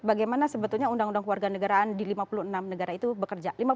bagaimana sebetulnya undang undang keluarga negaraan di lima puluh enam negara itu bekerja